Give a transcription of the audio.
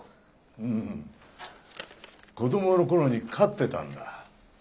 うん子どもの頃に飼ってたんだ。